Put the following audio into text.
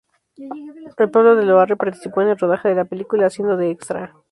El pueblo de Loarre participó en el rodaje de la película haciendo de extra.